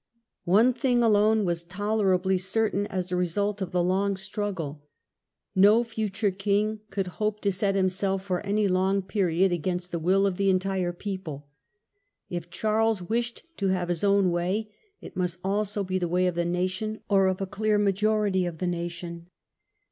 One thing alone was tolerably certain as a result of the long struggle. No future king could hope to set himself for any long period against the will of the entire people. If Charles wished to have his own way it must also be the way of the nation, or of a clear majority of the nation.